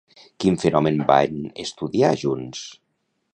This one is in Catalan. Quin fenomen van estudiar junts?